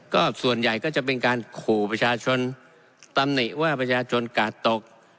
ก็ส่วนใหญ่ก็จะเป็นการขู่ประชาชนตำหนิว่าประชาชนกาดตก